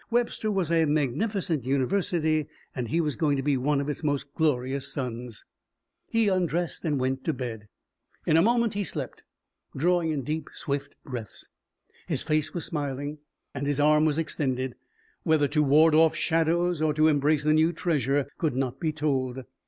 Webster was a magnificent university. And he was going to be one of its most glorious sons. He undressed and went to bed. In a moment he slept, drawing in deep, swift breaths. His face was smiling and his arm was extended, whether to ward off shadows or to embrace a new treasure could not be told.